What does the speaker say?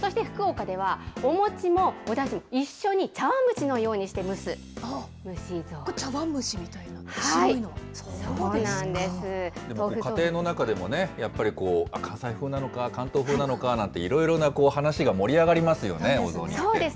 そして福岡では、お餅もおだし、一緒に茶わん蒸しのようにして蒸茶わん蒸しみたいに。家庭の中でもね、やっぱりこう、関西風なのか、関東風なのかなんていろいろな話が盛り上がりそうですね。